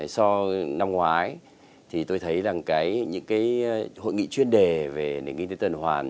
so năm ngoái thì tôi thấy rằng những hội nghị chuyên đề về nền kinh tế tuần hoàn